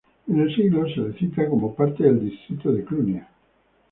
En el siglo se la cita como parte del distrito de Clunia.